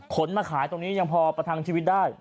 มาขายตรงนี้ยังพอประทังชีวิตได้